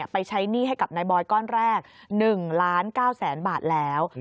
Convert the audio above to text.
ไปใช้หนี้ให้กับนายบอยก้อนแรก๑ล้าน๙แสนบาทแล้ว